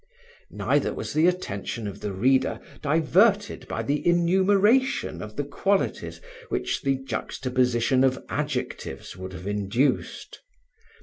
Neither was the attention of the reader diverted by the enumeration of the qualities which the juxtaposition of adjectives would have induced.